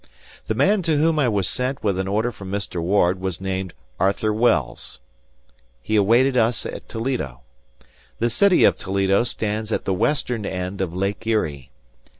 The man to whom I was sent with an order from Mr. Ward was named Arthur Wells. He awaited us at Toledo. The city of Toledo stands at the western end of Lake Erie.